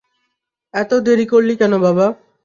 এত দেরি করলি কেন বাবা?